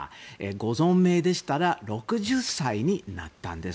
ご存命でしたら６０歳になったんです。